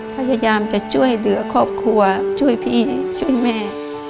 พยายามจะช่วยเหลือครอบครัวช่วยพี่ช่วยแม่